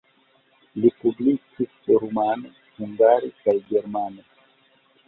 Li publikis rumane, hungare kaj germane.